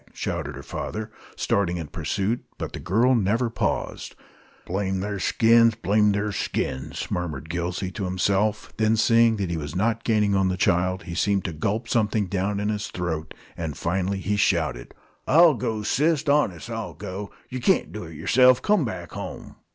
shouted her father, starting in pursuit. But the girl never paused. "Blame the'r skins! Blame the'r skins!" murmured Gillsey to himself. Then, seeing that he was not gaining on the child, he seemed to gulp something down in his throat, and finally he shouted: "I'll go, sis, honest I'll go. Yer kaint do it yerself. Come back home!"